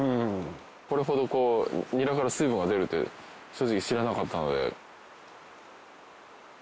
これほどニラから水分が出るという正直知らなかったので。